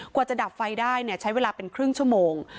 กว่าจะดับไฟได้ใช้เวลาเป็นครึ่งชั่วโมง